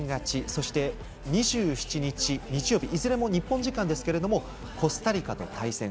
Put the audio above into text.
そして２７日、日曜日いずれも日本時間ですけれどもコスタリカと対戦。